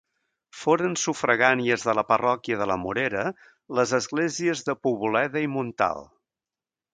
Foren sufragànies de la parròquia de la Morera les esglésies de Poboleda i Montalt.